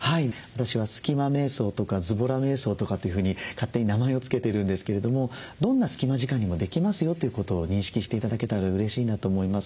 私は「スキマめい想」とか「ずぼらめい想」とかっていうふうに勝手に名前を付けているんですけれどもどんな隙間時間にもできますよということを認識して頂けたらうれしいなと思います。